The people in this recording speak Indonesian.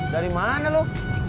dari mana lu